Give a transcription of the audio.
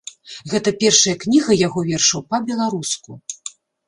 Гэта першая кніга яго вершаў па-беларуску.